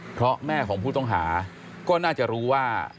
เพราะแม่ของผู้ต้องหาก็น่าจะรู้ว่า